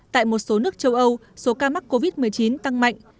tại một số nước châu âu số ca mắc covid một mươi chín tăng mạnh